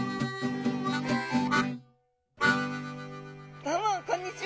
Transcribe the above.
どうもこんにちは。